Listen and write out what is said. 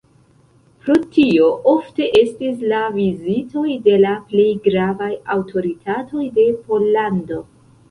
Pro tio ofte estis la vizitoj de la plej gravaj aŭtoritatoj de Pollando.